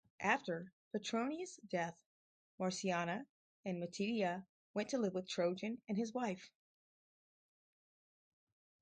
After Patruinus' death, Marciana and Matidia went to live with Trajan and his wife.